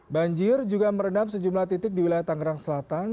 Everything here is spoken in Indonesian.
banjir juga merendam sejumlah titik di wilayah tangerang selatan